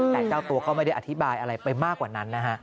แต่เจ้าตัวก็ไม่ได้อธิบายอะไรไปมากกว่านั้นนะฮะ